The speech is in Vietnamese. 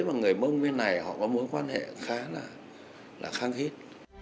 và người mông bên này họ có mối quan hệ khá là kháng khít